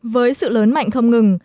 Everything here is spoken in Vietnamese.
với sự lớn mạnh không ngừng